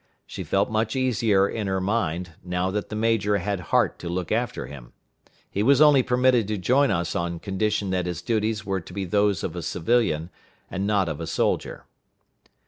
She felt much easier in her mind, now that the major had Hart to look after him. He was only permitted to join us on condition that his duties were to be those of a civilian, and not of a soldier.